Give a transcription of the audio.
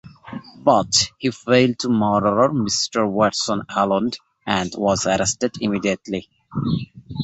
But he failed to murder Mister Watson alone and was arrested immediately.